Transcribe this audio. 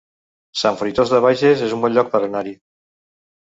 Sant Fruitós de Bages es un bon lloc per anar-hi